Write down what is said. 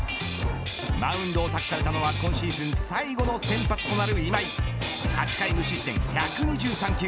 マウンドを託されたのは今シーズン最後の先発となる今井８回無失点１２３球。